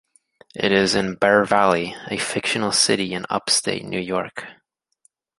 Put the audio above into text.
It is in Bear Valley, a fictional city in up-state New York.